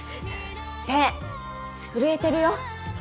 手震えてるよ。